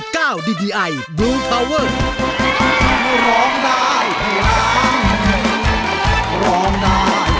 ปานุ่มก็มา